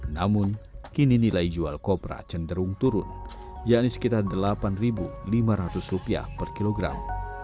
namun kini nilai jual kopra cenderung turun yakni sekitar rp delapan lima ratus per kilogram